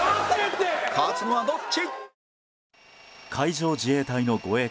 勝つのはどっち？